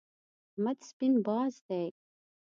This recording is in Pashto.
احمد سپين باز دی.